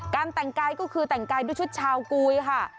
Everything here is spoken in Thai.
แต่งกายก็คือแต่งกายด้วยชุดชาวกุยค่ะ